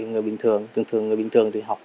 người bình thường thường người bình thường thì học